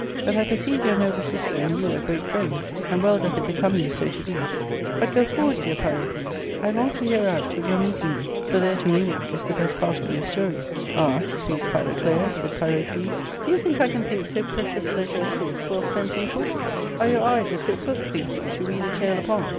But I perceive your noble sister and you are great . iriends ; and well doth it become you so to be." " But go for I ,ward, dear Pyrocles ; I long to hear out till your meeting me, j for there to meward is the best part of your story." " Ah, sweet Philoclea," said Pyrocles, " do you think I can think so precious leisure as this well spent in talking ? Are your eyes a fit book, think you, to read a tale upon